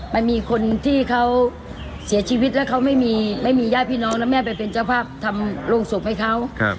มันมีคนที่เขาเสียชีวิตแล้วเขาไม่มีญาติพี่น้องแล้วแม่ไปเป็นเจ้าภาพทำโรงศพให้เขา